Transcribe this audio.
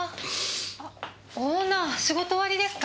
あオーナー仕事終わりですか？